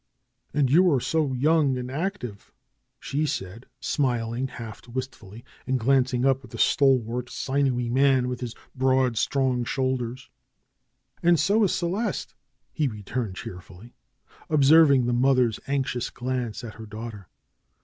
"And you are so young and active," she said, smiling half wistfully, and glancing up at the stalwart, sinewy man, with his broad, strong shoulders. DR. SCHOLAR CRUTCH 147 ^^And so is Celeste he returned cheerfully, observ ing the mother's anxious glance at her daughter.